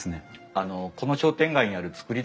あのこの商店街にある造り